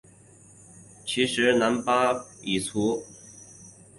其时喃迦巴藏卜已卒。